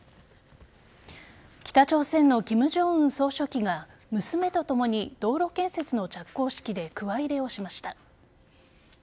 北朝鮮の金正恩総書記が娘とともに道路建設の着工式でくわ入れをしました。